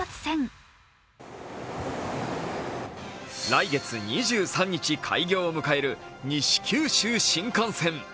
来月２３日開業を迎える西九州新幹線。